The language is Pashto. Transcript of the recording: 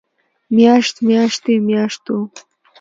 مياشت، مياشتې، مياشتو